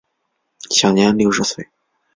享年六十岁。